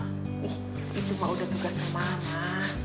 ih itu mah udah tugasnya mama